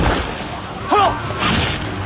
殿！